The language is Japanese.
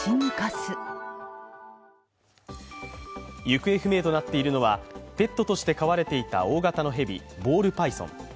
行方不明となっているのはペットとして飼われていた大型の蛇、ボールパイソン。